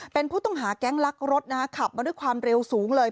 เป็นผู้ต้องหาแก๊งลักรถขับมาด้วยความเร็วสูงเลย